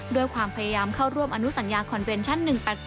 ด้วยความพยายามเข้าร่วมอนุสัญญาคอนเวนชั่น๑๘๘